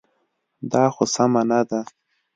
دا خو سمه نه ده.